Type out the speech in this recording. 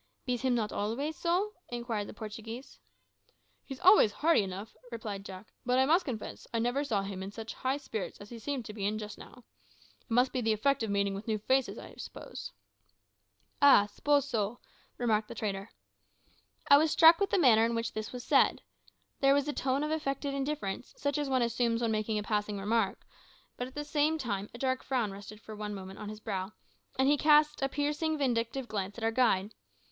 "Bees him not always so?" inquired the Portuguese. "He's always hearty enough," replied Jack, "but I must confess I never saw him in such high spirits as he seems to be in just now. It must be the effect of meeting with new faces, I suppose." "Ah! s'pose so," remarked the trader. I was struck with the manner in which this was said. There was a tone of affected indifference, such as one assumes when making a passing remark, but at the same time a dark frown rested for one moment on his brow, and he cast a piercing vindictive glance at our guide.